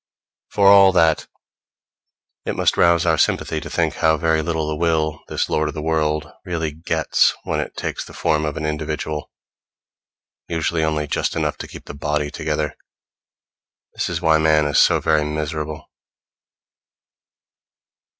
For all that, it must rouse our sympathy to think how very little the Will, this lord of the world, really gets when it takes the form of an individual; usually only just enough to keep the body together. This is why man is so very miserable.